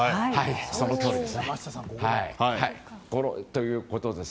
そのとおりです。